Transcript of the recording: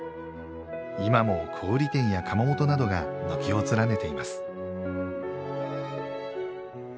今も小売店や窯元などが軒を連ねています。